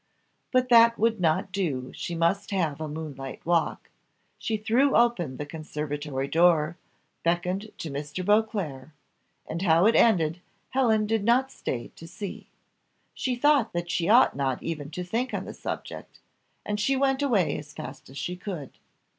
But that would not do, she must have a moonlight walk; she threw open the conservatory door, beckoned to Mr. Beauclerc, and how it ended Helen did not stay to see. She thought that she ought not even to think on the subject, and she went away as fast as she could.